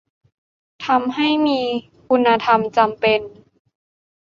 ทำให้มีคุณธรรมจำเป็น